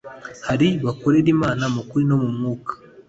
hari bakorera Imana mu kuri no mu mwuka